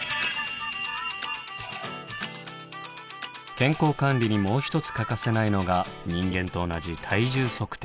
健康管理にもう一つ欠かせないのが人間と同じ体重測定。